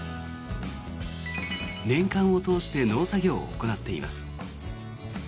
年間を通して農作業を行っています。